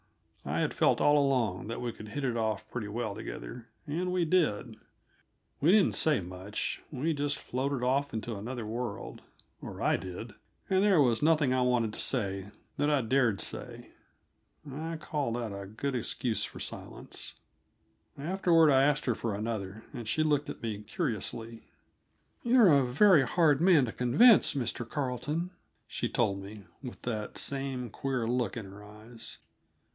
I had felt all along that we could hit it off pretty well together, and we did. We didn't say much we just floated off into another world or I did and there was nothing I wanted to say that I dared say. I call that a good excuse for silence. Afterward I asked her for another, and she looked at me curiously. "You're a very hard man to convince, Mr. Carleton," she told me, with that same queer look in her eyes.